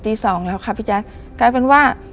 สองแล้วค่ะพี่แจ๊คกลายเป็นว่า